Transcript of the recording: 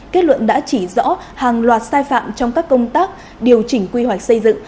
kết luận đã chỉ rõ hàng loạt sai phạm trong các công tác điều chỉnh quy hoạch xây dựng